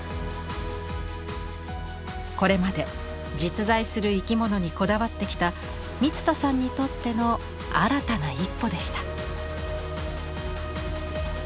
これまで実在する生き物にこだわってきた満田さんにとっての新たな一歩でした。